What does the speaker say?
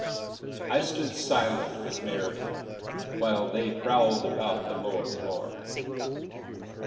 I stood silent with Mary, while they prowled about the lower floor.